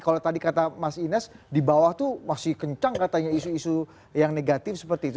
kalau tadi kata mas ines di bawah itu masih kencang katanya isu isu yang negatif seperti itu